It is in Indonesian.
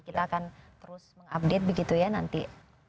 kita akan terus mengupdate begitu ya nanti